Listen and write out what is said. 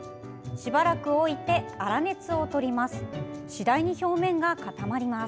しばらく置いて粗熱をとります。